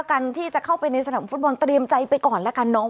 การที่จะเข้าไปในสนามฟุตบอลเตรียมใจไปก่อนแล้วกันน้อง